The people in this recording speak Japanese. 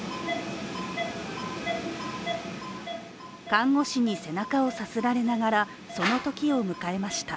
看護師に背中をさすられながらそのときを迎えました。